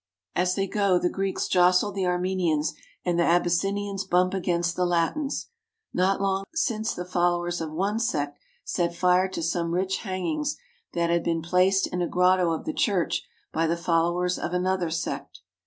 As they go the Greeks jostle the Armenians and the Abyssinians bump against the Latins. Not long since the followers of one sect set fire to some rich hangings that had been placed in a grotto of the church by the followers of another sect.